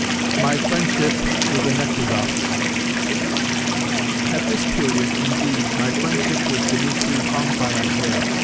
XLI. MY FRIENDSHIP WITH THE NECHLUDOFFS At this period, indeed, my friendship with Dimitri hung by a hair.